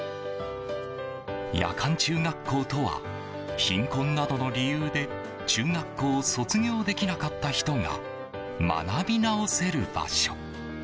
夜間中学校とは貧困などの理由で中学校を卒業できなかった人が学び直せる場所。